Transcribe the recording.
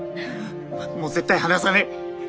もう絶対離さねえ。